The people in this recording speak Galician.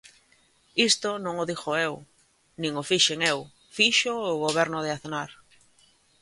Isto non o digo eu, nin o fixen eu, fíxoo o Goberno de Aznar.